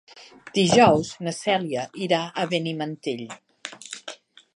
Dijous na Cèlia irà a Benimantell.